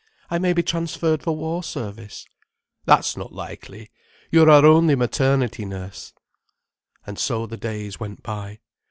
I may be transferred for war service." "That's not likely. You're our only maternity nurse—" And so the days went by.